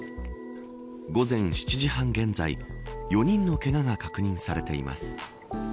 午前７時半現在４人のけがが確認されています。